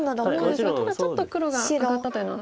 ただちょっと黒が上がったというのは。